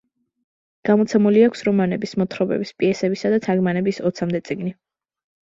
გამოცემული აქვს რომანების, მოთხრობების, პიესებისა და თარგმანების ოცამდე წიგნი.